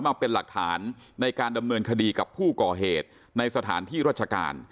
มาเป็นหลักฐานในการดำเนินคดีกับผู้ก่อเหตุในสถานที่ราชการ